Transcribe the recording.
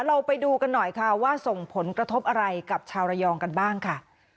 เราไปดูกันหน่อยค่ะว่าส่งผลกระทบอะไรกับชาวระยองกันบ้างค่ะ